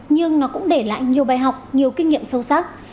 nhưng nó cũng để lại nhiều bài học nhiều kinh nghiệm sâu sắc